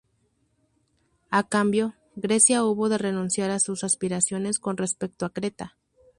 A cambio, Grecia hubo de renunciar a sus aspiraciones con respecto a Creta.